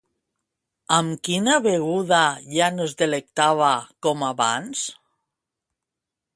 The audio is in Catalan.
Amb quina beguda ja no es delectava com abans?